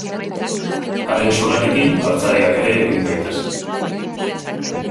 Haren zurarekin altzariak ere egin daitezke.